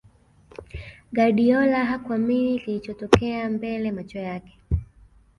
guardiola hakuamini kilichotokea mbele macho yake